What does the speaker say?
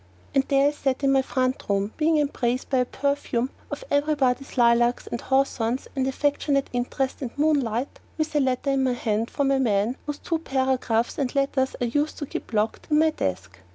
And there I sat in my front room, being embraced in a perfume of everybody's lilacs and hawthorns and affectionate interest and moonlight, with a letter in my hand from the man whose two photographs and letters I used to keep locked up in my desk.